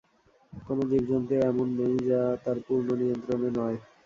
কোন জীব-জন্তু এমন নেই যা তাঁর পূর্ণ নিয়ন্ত্রণে নয়।